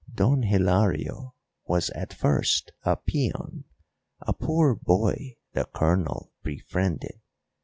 Don Hilario was at first a peon a poor boy the Colonel befriended.